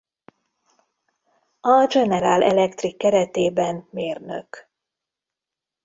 A General Electric keretében mérnök.